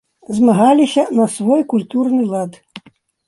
Змагаліся на свой культурны лад.